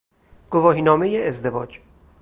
گواهی نامه ازدواج